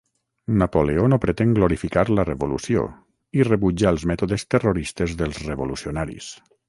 Napoleó no pretén glorificar la revolució i rebutja els mètodes terroristes dels revolucionaris.